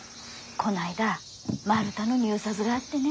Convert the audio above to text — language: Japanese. こないだ丸太の入札があってね。